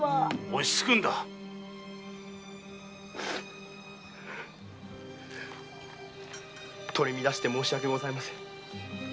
落ち着くんだ取り乱して申し訳ありません。